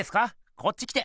こっち来て！